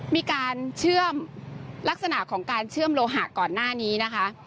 มีลักษณะของการเชื่อมโรหะก่อนหน้านี้นะคะ